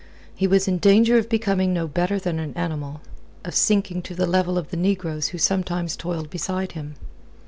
He was in danger of becoming no better than an animal, of sinking to the level of the negroes who sometimes toiled beside him.